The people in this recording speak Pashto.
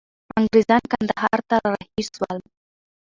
انګریزان کندهار ته را رهي سول.